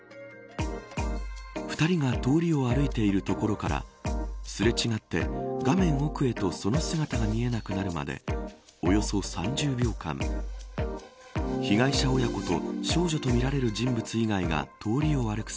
２人が通りを歩いているところからすれ違って画面奥へとその姿が見えなくなるまでおよそ３０秒間被害者親子と少女とみられる人物以外が通りを歩く